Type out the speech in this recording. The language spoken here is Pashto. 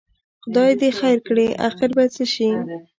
خدای دې خیر کړي، اخر به څه شي؟